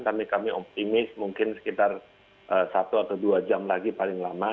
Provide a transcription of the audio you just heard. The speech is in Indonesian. tapi kami optimis mungkin sekitar satu atau dua jam lagi paling lama